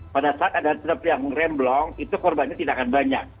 pada saat ada truk yang remblong itu korbannya tidak akan banyak